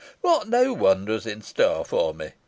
"What new wonder is in store for me?"